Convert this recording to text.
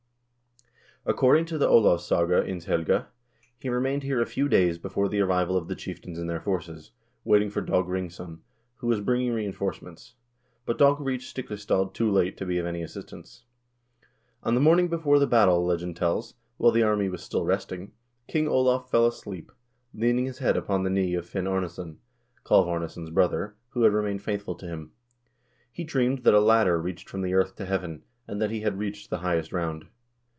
According to the "Olavssaga ins helga " he remained here a few days before the arrival of the chieftains and their forces, waiting for Dag Ringsson, who was bringing reinforcements ; but Dag reached Stikle stad too late to be of any assistance. On the morning before the battle, legend tells, while the army was still resting, King Olav fell asleep, leaning his head upon the knee of Finn Arnesson, Kalv Arnesson's brother, who had remained faithful to him. He dreamed that a ladder reached from the earth to heaven, and that he had reached the highest round.